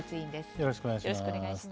よろしくお願いします。